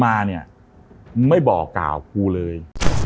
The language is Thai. มาเนี่ยไม่บอกกล่าวกูเลย